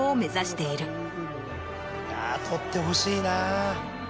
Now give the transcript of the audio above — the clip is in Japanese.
いや取ってほしいな。